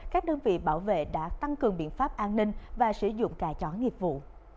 các đơn vị bảo vệ đã tăng cường biện pháp an ninh và sử dụng cài chóng nghiệp vụ